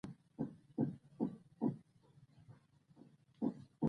ښوونځی د روڼ سبا زېری راوړي